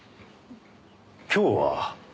今日は？